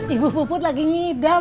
ibu puput lagi ngidam